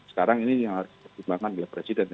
sekarang ini yang harus dipertimbangkan oleh presiden